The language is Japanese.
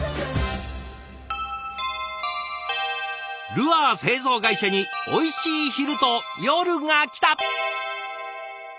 ルアー製造会社においしい昼と夜がきた。